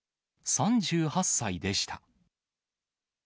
３８歳でした。